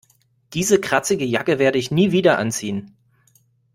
Diese kratzige Jacke werde ich nie wieder anziehen.